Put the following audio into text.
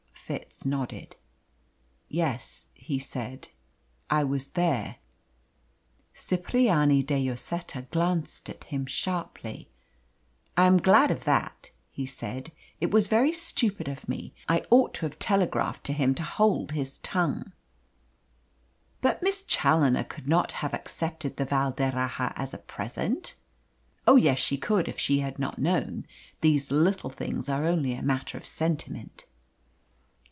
Fitz nodded. "Yes," he said, "I was there." Cipriani de Lloseta glanced at him sharply. "I am glad of that," he said. "It was very stupid of me. I ought to have telegraphed to him to hold his tongue." "But Miss Challoner could not have accepted the Val d'Erraha as a present?" "Oh yes, she could, if she had not known. These little things are only a matter of sentiment."